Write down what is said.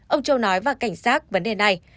ông châu nói và cảnh sát vấn đề này